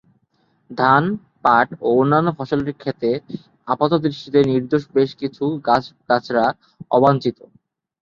ধান, পাট ও অন্যান্য ফসলের ক্ষেতে আপাতদৃষ্টিতে নির্দোষ বেশ কিছু গাছগাছড়া অবাঞ্ছিত।